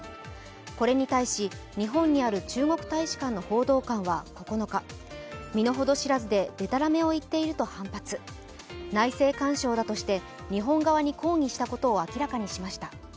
これに対し日本にある中国大使館の報道官は９日、身の程知らずででたらめを言っていると反発内政干渉だとして日本側に抗議したことを明らかにしました。